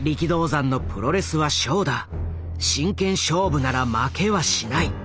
真剣勝負なら負けはしない！